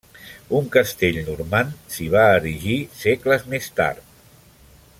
Un castell normand s'hi va erigir segles més tard.